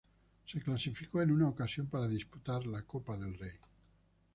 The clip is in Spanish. Se clasificó en una ocasión para disputar la Copa del Rey.